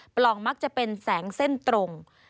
ปล่องมักจะเป็นแสงเส้นตรง